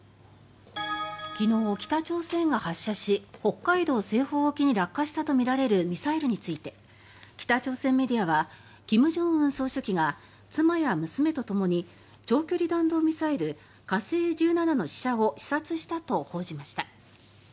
昨日、北朝鮮が発射し北海道西方沖に落下したとみられるミサイルについて北朝鮮メディアは金正恩総書記が妻や娘とともに長距離弾道ミサイル、火星１７の試射を視察したと報じました。